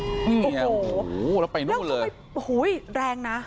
โอ้โหแล้วไปนู่นเลยแล้วเขาก็ไปโอ้โหแรงนะ